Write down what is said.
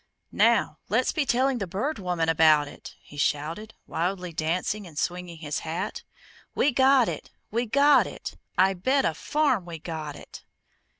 "Now, let's be telling the Bird Woman about it!" he shouted, wildly dancing and swinging his hat. "We got it! We got it! I bet a farm we got it!"